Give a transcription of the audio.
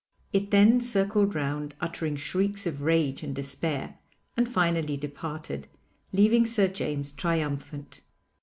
It then circled round uttering shrieks of rage and despair, and finally departed, leaving Sir James triumphant.